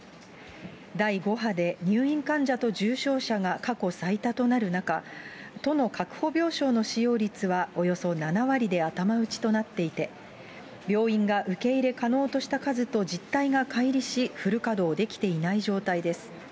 第５波で入院患者と重症者が過去最多となる中、都の確保病床の使用率はおよそ７割で頭打ちとなっていて、病院が受け入れ可能とした数と実態がかい離し、フル稼働できていない状態です。